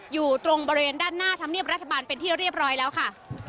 อยู่ตรงบริเวณด้านหน้าธรรมเนียบรัฐบาลเป็นที่เรียบร้อยแล้วค่ะ